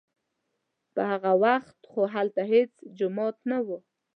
په هغه وخت خو هلته هېڅ جومات نه و.